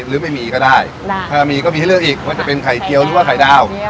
หรือไม่มีก็ได้ถ้ามีก็มีให้เลือกอีกว่าจะเป็นไข่เจียวหรือว่าไข่ดาว